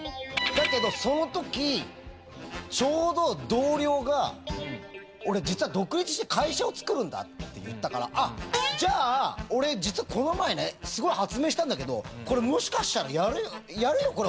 だけどその時ちょうど同僚が俺実は独立して会社をつくるんだって言ったからじゃあ俺実はこの前ねすごい発明したんだけどこれもしかしたらやるよ